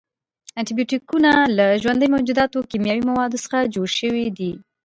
انټي بیوټیکونه له ژوندیو موجوداتو، کیمیاوي موادو څخه جوړ شوي دي.